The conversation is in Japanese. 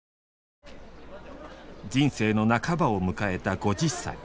人生の半ばを迎えた５０歳。